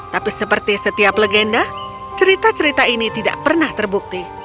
tapi seperti setiap legenda cerita cerita ini tidak pernah terbukti